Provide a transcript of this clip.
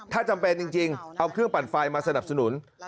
ถ้าจำเป็นจริงเอาเครื่องปั่นไฟมาสนับสนุน